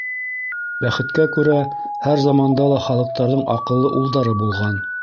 Бәхеткә күрә, һәр заманда ла халыҡтарҙың аҡыллы улдары булған.